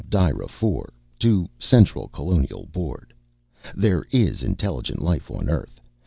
DISCH From DIRA IV To Central Colonial Board There is intelligent life on Earth.